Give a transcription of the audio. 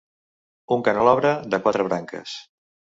Un canelobre de quatre branques.